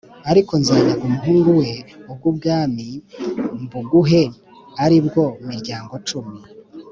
Ariko nzanyaga umuhungu we ubwo bwami mbuguhe, ari bwo miryango cumi